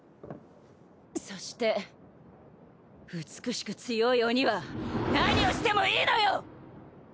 そして美しく強い鬼は何をしてもいいのよ！